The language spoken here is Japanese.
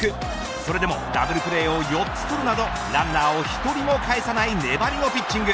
それでもダブルプレーを４つ取るなどランナーを１人も返さない粘りのピッチング。